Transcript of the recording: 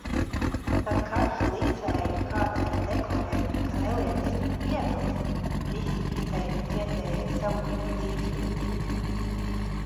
Kad karšu licēja kādai deklarēja, ka nelietis viņu pievils, visi izteica cietējai savu līdzjūtību.